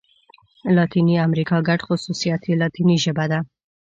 لاتیني امريکا ګډ خوصوصیات یې لاتيني ژبه ده.